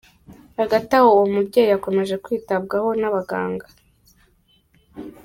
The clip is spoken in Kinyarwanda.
Hagati aho uwo mubyeyi akomeje kwitabwaho n’abaganga.